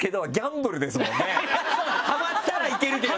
ハマったらいけるけど。